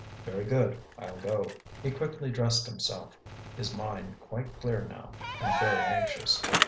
"Very good; I'll go." He quickly dressed himself, his mind quite clear now, and very anxious.